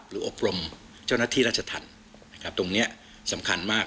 หรืออบรมเจ้านักที่ราชธรรมตรงนี้สำคัญมาก